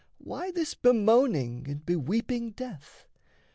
Why this bemoaning and beweeping death?